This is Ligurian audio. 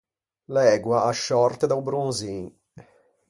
L’ægua a sciòrte da-o bronzin.